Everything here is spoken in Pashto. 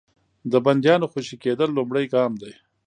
د بندیانو خوشي کېدل لومړی ګام دی.